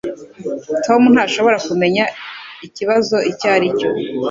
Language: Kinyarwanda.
Tom ntashobora kumenya ikibazo icyo ari cyo.